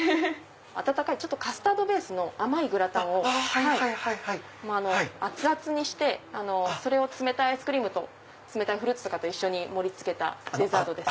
温かいカスタードベースの甘いグラタンを熱々にして冷たいアイスクリームとフルーツ一緒に盛り付けたデザートです。